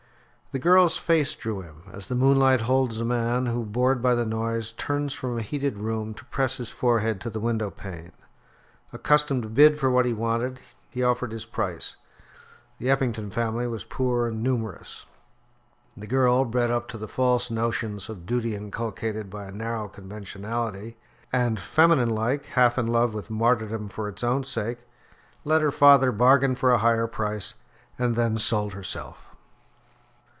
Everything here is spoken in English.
The girl's face drew him, as the moonlight holds a man who, bored by the noise, turns from a heated room to press his forehead to the window pane. Accustomed to bid for what he wanted, he offered his price. The Eppington family was poor and numerous. The girl, bred up to the false notions of duty inculcated by a narrow conventionality, and, feminine like, half in love with martyrdom for its own sake, let her father bargain for a higher price, and then sold herself.